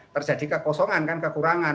terjadi kekosongan kan kekurangan